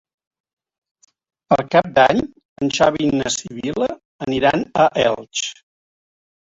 Per Cap d'Any en Xavi i na Sibil·la aniran a Elx.